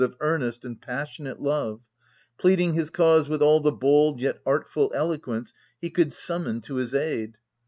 347 of earnest and passionate love ; pleading his cause with all the bold yet artful eloquence he could summon to his aid.